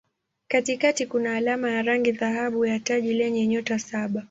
Katikati kuna alama ya rangi dhahabu ya taji lenye nyota saba.